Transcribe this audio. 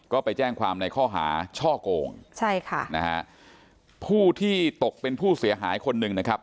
ก็ไปแจ้งความในข้อหาช่อโกงใช่ค่ะนะฮะผู้ที่ตกเป็นผู้เสียหายคนหนึ่งนะครับ